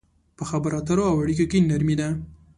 په خبرو اترو او اړيکو کې نرمي ده.